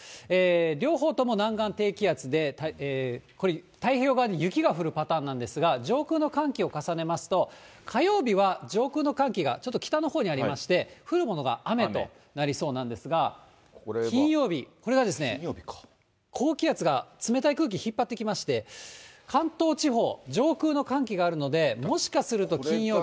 両方とも南岸低気圧で、これ、太平洋側に雪が降るパターンなんですが、上空の寒気を重ねますと、火曜日は上空の寒気がちょっと北のほうにありまして、降るものが雨となりそうなんですが、金曜日、これが、高気圧が冷たい空気引っ張ってきまして、関東地方、上空の寒気があるので、もしかすると金曜日。